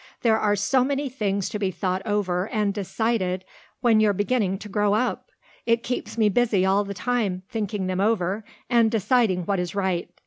There are so many things to be thought over and decided when you're beginning to grow up. It keeps me busy all the time thinking them over and deciding what is right.